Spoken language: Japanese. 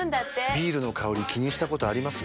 ビールの香り気にしたことあります？